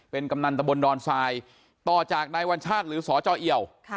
เป็นกำนันตะบนดอนทรายต่อจากนายวัญชาติหรือสจเอี่ยว